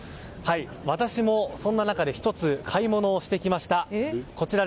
私も、そんな中で１つ買い物をしてきました。